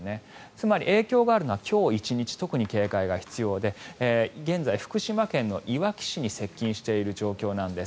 つまり、影響があるのは今日１日特に警戒が必要で現在、福島県のいわき市に接近している状況なんです。